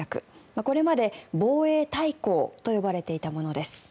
これまで防衛大綱と呼ばれていたものです。